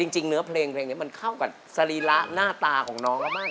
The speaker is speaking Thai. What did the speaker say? จริงเนื้อเพลงนี้มันเข้ากับสรีระหน้าตาของน้องก็มาก